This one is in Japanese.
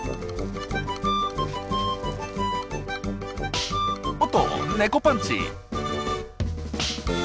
おっと猫パンチ！